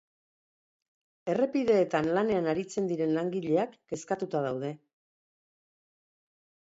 Errepideetan lanean aritzen diren langileak kezkatuta daude.